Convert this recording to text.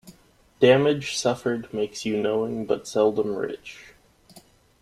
Damage suffered makes you knowing, but seldom rich.